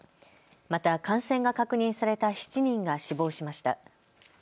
また感染が確認された７人が死亡しました。